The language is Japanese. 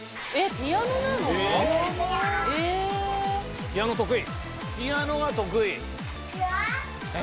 ピアノが得意。